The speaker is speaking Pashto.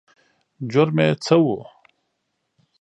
جرم یې څه و؟